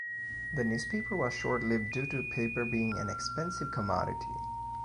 The newspaper was short lived due to paper being an expensive commodity.